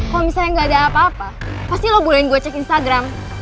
kalau misalnya nggak ada apa apa pasti lo bolehin gue cek instagram